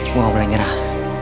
gue gak boleh nyerah